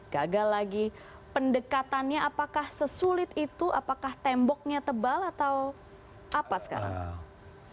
gagal lagi pendekatannya apakah sesulit itu apakah temboknya tebal atau apa sekarang